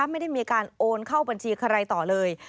ไม่ได้มีการโอนเข้าบัญชีใครต่อเลย